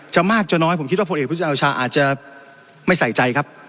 จะมากจะน้อยผมคิดว่าพลเอกประยุทธจันทรวชาติอาจจะไม่ใส่ใจครับ